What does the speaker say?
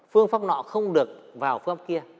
phương pháp nọ không được vào phương pháp kia